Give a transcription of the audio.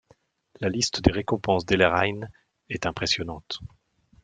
La liste des récompenses d'Ellerhein est impressionnante.